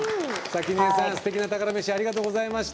すてきな宝メシありがとうございました。